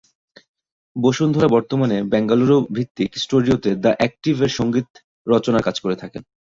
বসুন্ধরা বর্তমানে বেঙ্গালুরু ভিত্তিক স্টুডিওতে 'দ্য অ্যাকটিভ'-এর জন্য সংগীত রচনার কাজ করে থাকেন।